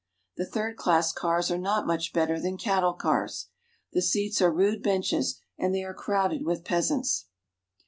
The third class cars are not much better than cattle cars. The seats are rude benches, and they are crowded with peasants.